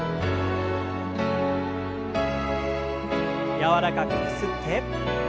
柔らかくゆすって。